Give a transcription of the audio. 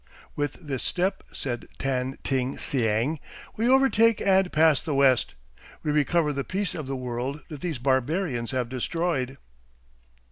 "With this step," said Tan Ting siang, "we overtake and pass the West. We recover the peace of the world that these barbarians have destroyed."